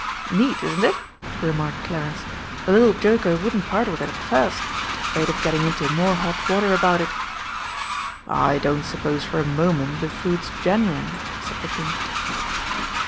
"Neat, isn't it?" remarked Clarence. "The little joker wouldn't part with it at first afraid of getting into more hot water about it." "I don't suppose for a moment the food's genuine," said the King.